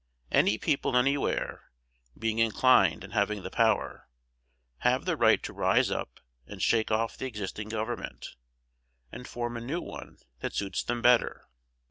Any people anywhere, being inclined and having the power, have the right to rise up and shake off the existing government, and form a new one that suits them better.